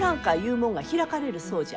もんが開かれるそうじゃ。